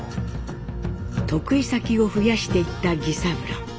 得意先を増やしていった儀三郎。